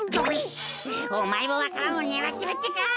おまえもわか蘭をねらってるってか？